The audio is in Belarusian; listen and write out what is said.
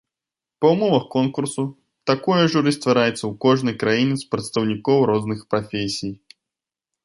Па ўмовах конкурсу, такое журы ствараецца ў кожнай краіне з прадстаўнікоў розных прафесій.